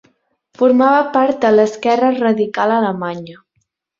Formava part de l'esquerra radical alemanya.